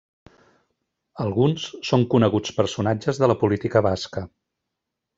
Alguns són coneguts personatges de la política basca.